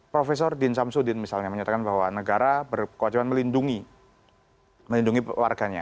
profesor dean shamsuddin misalnya menyatakan bahwa negara berkewajiban melindungi warganya